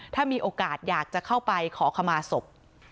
ถ้ามีโอกาสอยากจะเข้าไปขอขมาศพ